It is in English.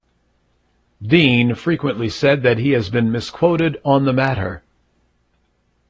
Deane frequently said that he had been misquoted on the matter.